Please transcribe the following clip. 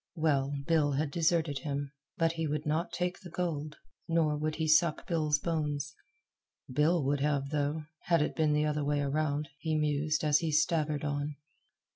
Well, Bill had deserted him; but he would not take the gold, nor would he suck Bill's bones. Bill would have, though, had it been the other way around, he mused as he staggered on.